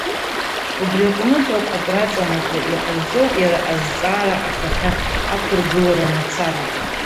Убри аҟнытә ауп акраҵанакуа иҟазҵо иара азҵаара ахаҭа ақәыргылара мацарагьы.